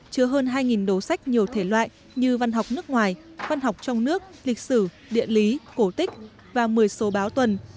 chứa hơn hai đầu sách nhiều thể loại như văn học nước ngoài văn học trong nước lịch sử địa lý cổ tích và một mươi số báo tuần